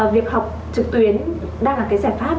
việc học trực tuyến đang là giải pháp